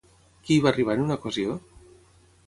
Qui hi va arribar en una ocasió?